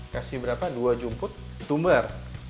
kasih berapa dua jumput tumbar